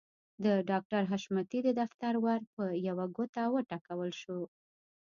د ډاکټر حشمتي د دفتر ور په يوه ګوته وټکول شو.